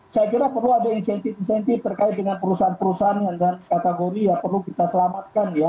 saya kira perlu ada insentif insentif terkait dengan perusahaan perusahaan yang dengan kategori yang perlu kita selamatkan ya